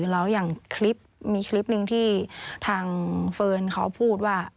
แล้วอย่างคลิปมีคลิปหนึ่งที่ทางเฟิร์นเขาพูดว่า